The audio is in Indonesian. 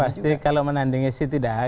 yang pasti kalau menandingi sih tidak